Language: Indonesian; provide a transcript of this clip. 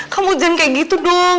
kamu hujan kayak gitu dong